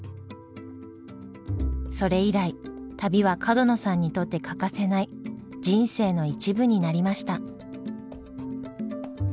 それ以来旅は角野さんにとって欠かせない人生の一部になりました。